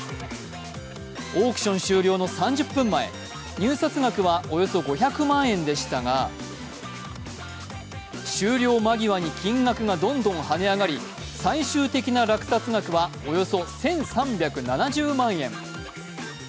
オークション終了の３０分前、入札額はおよそ５００万円でしたが終了間際に金額がどんどん跳ね上がり最終的な落札額はおよそ１３７０万円。